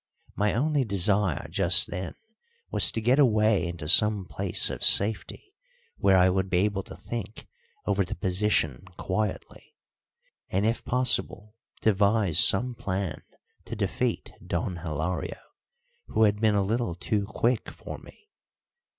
My only desire just then was to get away into some place of safety where I would be able to think over the position quietly, and if possible devise some plan to defeat Don Hilario, who had been a little too quick for me.